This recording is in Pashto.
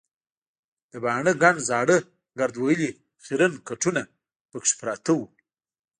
د باڼه ګڼ زاړه ګرد وهلي خیرن کټونه پکې پراته وو.